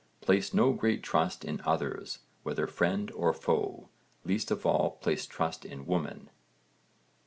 Place no great trust in others whether friend or foe, least of all place trust in women.